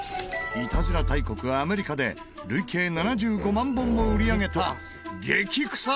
いたずら大国アメリカで累計７５万本も売り上げた激臭